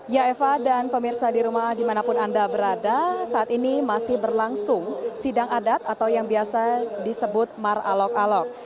ya eva dan pemirsa di rumah dimanapun anda berada saat ini masih berlangsung sidang adat atau yang biasa disebut mar alok alok